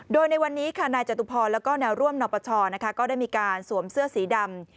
โดยในวันนี้ค่ะนายจตุพรแล้วก็แนวร่วมนปชก็ได้มีการสวมเสื้อสีดำ